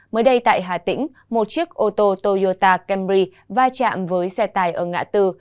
mới đây tại hà tĩnh một chiếc ô tô toyota camry vai trạm với xe tài ở ngã tư